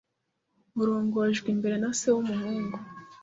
urongojwe imbere na Se w’umuhungu